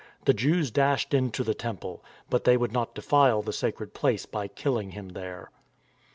The Jews dashed into the Temple. But they would not defile the sacred place by killing him there.